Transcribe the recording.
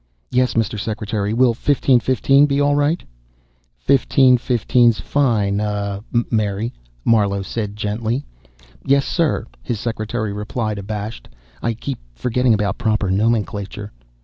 "Yes, Mr. Secretary. Will fifteen fifteen be all right?" "Fifteen fifteen's fine, uh ... Mary," Marlowe said gently. "Yes, sir," his secretary replied, abashed. "I keep forgetting about proper nomenclature."